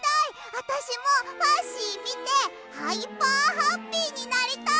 あたしもファッシーみてハイパーハッピーになりたい！